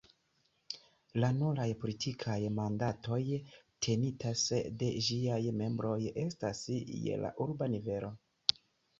La nuraj politikaj mandatoj tenitaj de ĝiaj membroj estas je la urba nivelo.